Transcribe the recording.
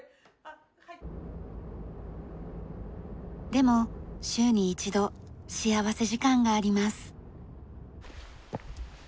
でも週に一度幸福時間があります。